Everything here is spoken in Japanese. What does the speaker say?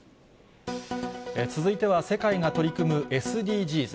続いては、世界が取り組むＳＤＧｓ。